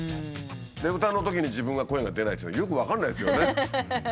で歌のときに自分が声が出ないってよく分かんないですよね。